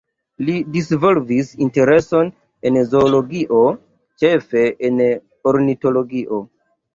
Li disvolvis intereson en zoologio, ĉefe en ornitologio.